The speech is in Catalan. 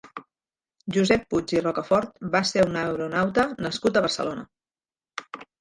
Josep Puig i Rocafort va ser un aeronauta nascut a Barcelona.